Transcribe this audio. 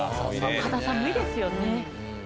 肌寒いですよね。